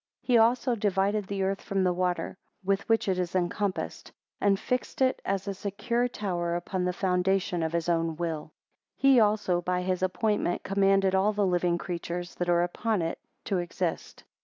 4 He also divided the earth from the water, with which it is encompassed: and fixed it as a secure tower, upon the foundation of his own will. 5 He also by his appointment, commanded all the living creatures that are upon it, to exist.